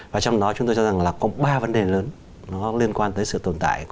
và trong đó chúng tôi cho rằng là có ba vấn đề lớn nó liên quan tới sự tồn tại